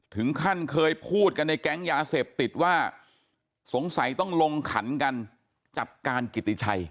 ถึงขั้นเคยพูดกันในแก๊งยาเสพติดว่าสงสัยต้องลงขันกันจัดการกิติชัย